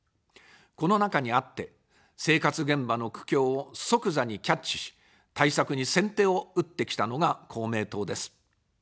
この中にあって、生活現場の苦境を即座にキャッチし、対策に先手を打ってきたのが公明党です。